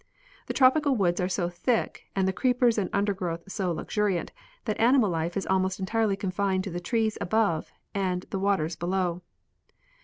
The tropical woods are so thick and the creepers and undergrowth so luxuriant that animal life is almost entirely confined to the trees above and the waters below.